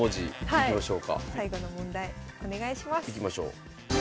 いきましょう。